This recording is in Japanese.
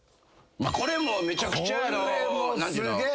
これもめちゃくちゃ何ていうの？